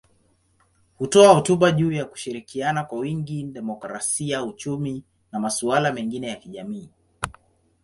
Hutoa hotuba juu ya kushirikiana kwa wingi, demokrasia, uchumi na masuala mengine ya kijamii.